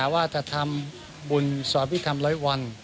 ว่าจะทำบุญสวบิถัมธ์ร้อยวัน